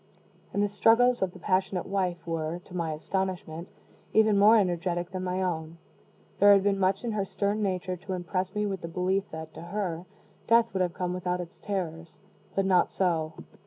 And the struggles of the passionate wife were, to my astonishment, even more energetic than my own. There had been much in her stern nature to impress me with the belief that, to her, death would have come without its terrors; but not so.